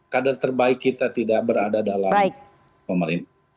kader terbaik kita tidak berada dalam pemerintah